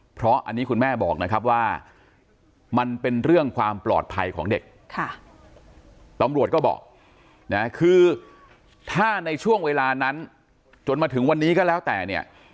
เพราะอันนี้คุณแม่บอกนะครับว่ามันเป็นเรื่องความปลอดภัยของเด็กตำรวจก็บอกนะคือถ้าในช่วงเวลานั้นจนมาถึงวันนี้ก็แล้วแต่เนี่ย